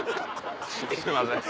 すいません。